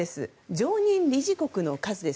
常任理事国の数です。